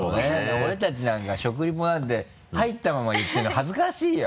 俺たちなんか食リポなんて入ったまま言ってるの恥ずかしいよ。